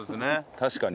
確かにね。